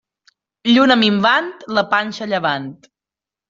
Lluna minvant, la panxa a llevant.